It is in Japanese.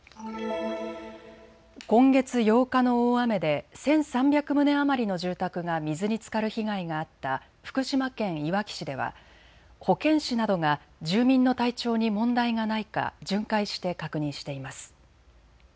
今月８日の大雨で１３００棟余りの住宅が水につかる被害があった福島県いわき市では保健師などが住民の体調に問題がないか巡回して確認しています。